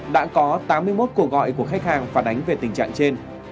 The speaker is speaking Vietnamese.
đã có tám mươi một cuộc gọi của khách hàng phản ánh về tình trạng trên